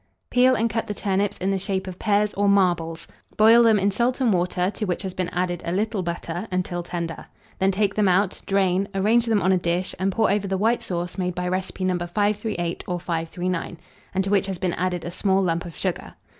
Peel and cut the turnips in the shape of pears or marbles; boil them in salt and water, to which has been added a little butter, until tender; then take them out, drain, arrange them on a dish, and pour over the white sauce made by recipe No. 538 or 539, and to which has been added a small lump of sugar.